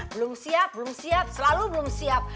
belum siap belum siap selalu belum siap